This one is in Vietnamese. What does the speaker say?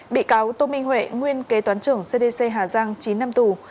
bị cáo tô minh huệ nguyên kế toán trưởng cdc hà giang chín năm tù